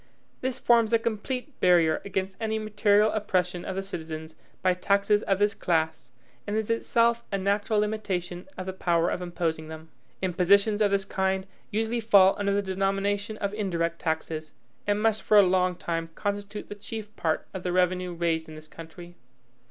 This forms a complete barrier against any material oppression of the citizens by taxes of this class, and is itself a natural limitation of the power of imposing them. Impositions of this kind usually fall under the denomination of indirect taxes, and must for a long time constitute the chief part of the revenue raised in this country.